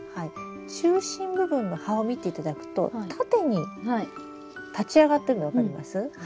中心部分の葉を見ていただくと縦に立ち上がってるの分かります？